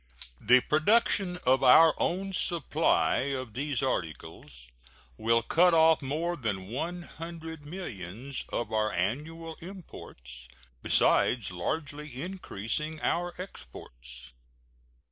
The production of our own supply of these articles will cut off more than one hundred millions of our annual imports, besides largely increasing our exports.